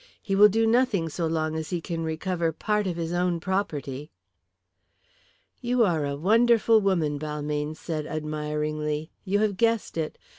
He will do nothing so long as he can recover part of his own property." "You are a wonderful woman," Balmayne said admiringly. "You have guessed it.